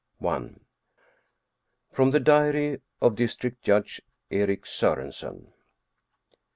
I [From the Diary of District Judge Erik Sorensen.